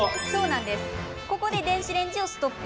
ここで電子レンジをストップ。